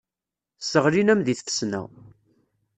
Sseɣlin-am deg tfesna.